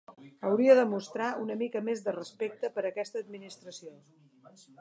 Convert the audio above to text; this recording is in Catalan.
Hauria de mostrar una mica més de respecte per aquesta administració.